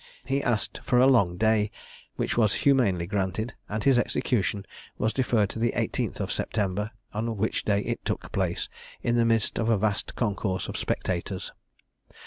He asked for a long day, which was humanely granted, and his execution was deferred to the 18th of September, on which day it took place, in the midst of a vast concourse of spectators.